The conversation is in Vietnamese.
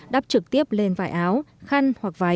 đắp trực tiếp lên vải áo khăn hoặc váy